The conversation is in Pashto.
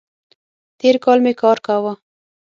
تېر کال می کار کاوو